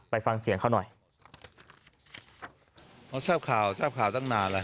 ไปฟังเสียงเขาหน่อยเขาทราบข่าวทราบข่าวตั้งนานแล้ว